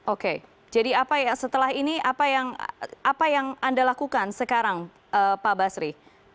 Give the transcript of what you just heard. oke jadi apa ya setelah ini apa yang anda lakukan sekarang pak basri